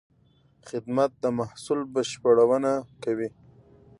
خدمت د محصول بشپړونه کوي.